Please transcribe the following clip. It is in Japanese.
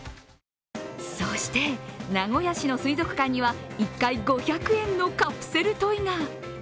そして、名古屋市の水族館には１回５００円のカプセルトイが。